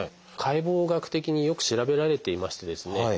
解剖学的によく調べられていましてですね